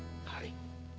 はい。